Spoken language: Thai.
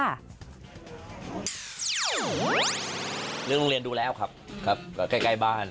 เรื่องโรงเรียนดูแล้วครับแก้บ้าน